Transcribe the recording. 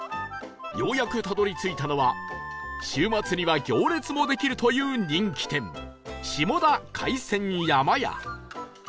ようやくたどり着いたのは週末には行列もできるという人気店下田海鮮やまや